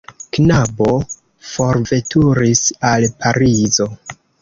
Knabo forveturis al Parizo.